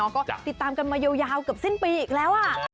ก็ติดตามกันมายาวเกือบสิ้นปีอีกแล้ว